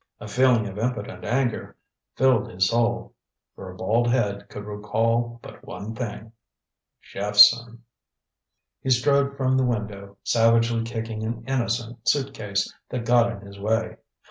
A feeling of impotent anger filled his soul. For a bald head could recall but one thing Jephson. He strode from the window, savagely kicking an innocent suit case that got in his way.